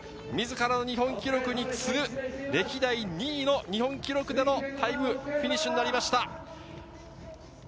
自らの日本記録に次ぐ、歴代２位の日本記録でのタイム、フィニッシュになりました。